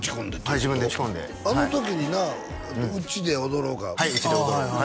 はい自分で打ち込んであの時にな「うちで踊ろう」がはい「うちで踊ろう」